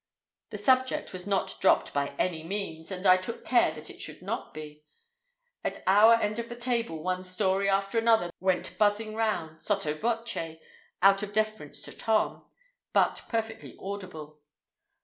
The subject was not dropped by any means, and I took care that it should not be. At our end of the table one story after another went buzzing round—sotto voce, out of deference to Tom—but perfectly audible.